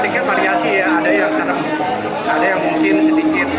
jadi menurut saya ini kebaikan bagus sekali